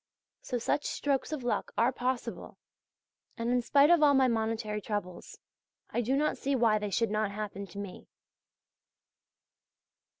So such strokes of luck are possible, and in spite of all my monetary troubles I do not see why they should not happen to me.